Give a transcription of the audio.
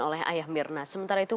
oleh ayah mirna sementara itu